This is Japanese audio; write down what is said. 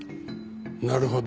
なるほど。